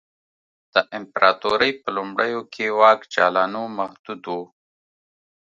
د امپراتورۍ په لومړیو کې واک جالانو محدود و